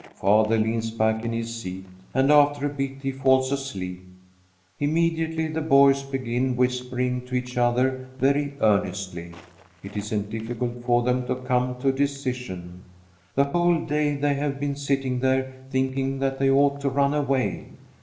Father leans back in his seat, and after a bit he falls asleep. Immediately the boys begin whispering to each other very earnestly. It isn't difficult for them to come to a decision. The whole day they have been sitting there thinking that they ought to run away.